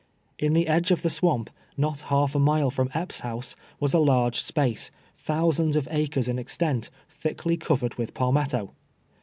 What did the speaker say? In the edge of the swamp, not half a mile from Epps' house, was a large space, thousands of acres iu extent, thickly covered with palmetto.